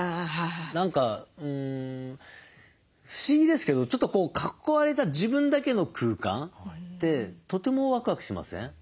何か不思議ですけどちょっとこう囲われた自分だけの空間ってとてもワクワクしません？